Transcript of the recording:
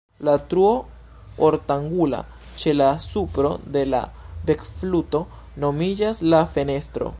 La truo ortangula ĉe la supro de la bekfluto nomiĝas la "fenestro".